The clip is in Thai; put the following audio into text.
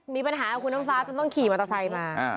มีปัญหากับคุณน้ำฟ้าจนต้องขี่มอเตอร์ไซค์มา